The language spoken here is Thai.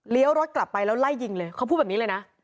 รถกลับไปแล้วไล่ยิงเลยเขาพูดแบบนี้เลยนะ